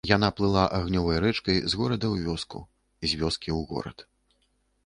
Яна плыла агнёвай рэчкай з горада ў вёску, з вёскі ў горад.